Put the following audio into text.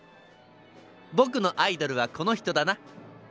ボクのアイドルはこの人だな。